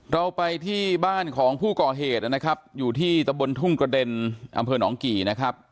เราไปที่บ้านของผู้ก่อเหตุนะครับอยู่ที่ตะบนทุ่งกระเด็นอำเภอหนองกี่นะครับ